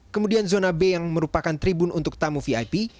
kemudian zona b yang merupakan tribun untuk tamu vip